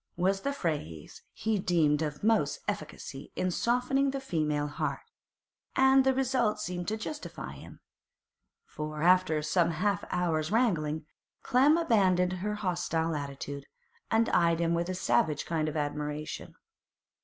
was the phrase he deemed of most efficacy in softening the female heart; and the result seemed to justify him, for after some half hour's wrangling, Clem abandoned her hostile attitude, and eyed him with a savage kind of admiration.